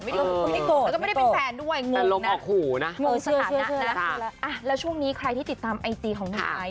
แล้วก็ไม่ได้เป็นแฟนด้วยงงนะงงสถานะอ่ะช่วงนี้ใครที่ติดตามไอจีของไม้